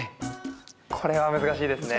これは難しいですね。